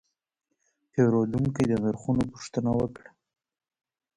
پیرودونکی د نرخونو پوښتنه وکړه.